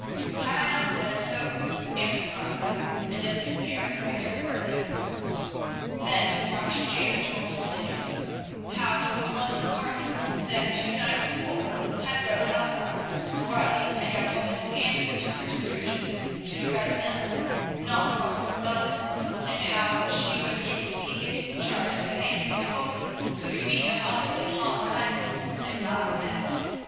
"Have I not said so," answered Martha, "and does the Mare break her word?" Then Marsh Jan told his tale: How he was one of the party that two nights before had rowed Elsa, or at least a young woman who answered to her description, to the Red Mill, not far from Velzen, and how she was in the immediate charge of a man and a woman who could be no other than Hague Simon and Black Meg.